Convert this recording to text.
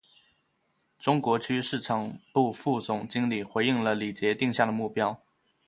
中国区市场部副总经理回应了李杰定下的目标